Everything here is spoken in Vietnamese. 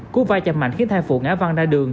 cú va chạm mạnh khiến thai phụ ngã văn ra đường